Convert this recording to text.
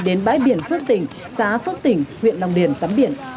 đến bãi biển phước tỉnh xã phước tỉnh huyện đồng điển tắm biển